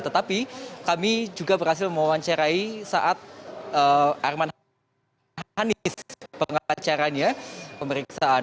tetapi kami juga berhasil mewawancarai saat arman hanis pengacaranya pemeriksaan